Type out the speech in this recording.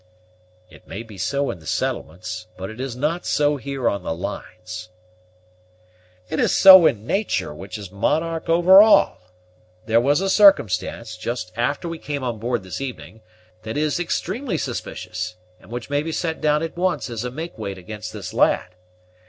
"It may be so in the settlements; but it is not so here on the lines." "It is so in nature, which is monarch over all. There was a circumstance, just after we came on board this evening, that is extremely suspicious, and which may be set down at once as a makeweight against this lad.